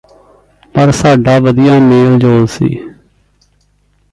ਪਰ ਸਾਡਾ ਵਧੀਆ ਮੇਲ ਜੋਲ ਸੀ